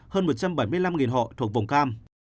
hơn một trăm bảy mươi năm họ thuộc vùng cam